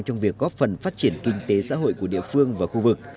trong việc góp phần phát triển kinh tế xã hội của địa phương và khu vực